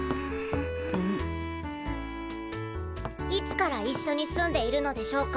いつから一緒に住んでいるのでしょうか？